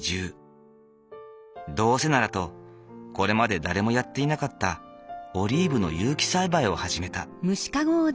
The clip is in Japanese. どうせならとこれまで誰もやっていなかったオリーブの有機栽培を始めた。